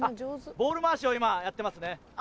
ボール回しを今やってますね。